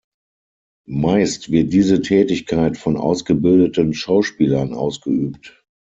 Meist wird diese Tätigkeit von ausgebildeten Schauspielern ausgeübt.